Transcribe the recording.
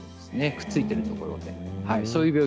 くっついているところで。